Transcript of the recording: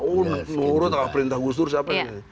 oh menurut perintah gus dur siapa ini